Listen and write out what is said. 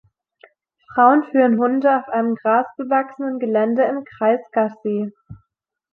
Frauen führen Hunde auf einem grasbewachsenen Gelände im Kreis Gassi